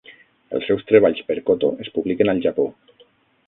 Els seus treballs per koto es publiquen al Japó.